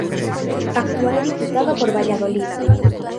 Actual Diputado por Valladolid.